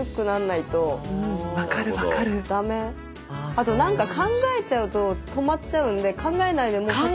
あと何か考えちゃうと止まっちゃうんで考えない。